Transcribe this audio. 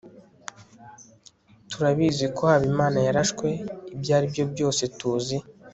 turabizi ko habimana yarashwe. ibyo aribyo byose tuzi